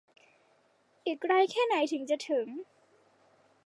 อีกไกลแค่ไหนถึงจะถึง